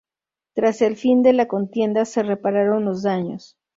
Tras el fin de la contienda se repararon los daños.